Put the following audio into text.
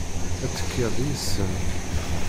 Ad tekkiḍ yid-sen.